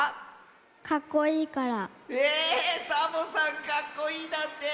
サボさんかっこいいだって！